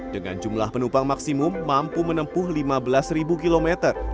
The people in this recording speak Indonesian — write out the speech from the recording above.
dengan jumlah penumpang maksimum mampu menempuh lima belas km